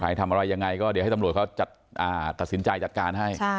ทำอะไรยังไงก็เดี๋ยวให้ตำรวจเขาตัดสินใจจัดการให้